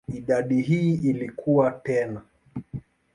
Idadi hii ilikua tena.